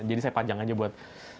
saya panjang aja buat